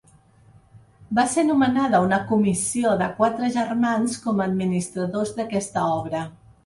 Va ser nomenada una comissió de quatre germans com a administradors d'aquesta obra.